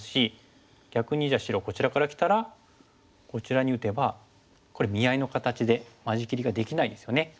逆にじゃあ白こちらからきたらこちらに打てばこれ見合いの形で間仕切りができないですよね。